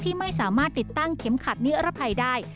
ไม่สามารถติดตั้งเข็มขัดนิรภัยได้